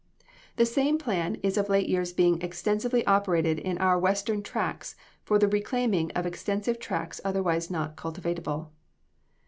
The same plan is of late years being extensively operated in our western tracts for the reclaiming of extensive tracts otherwise not cultivable.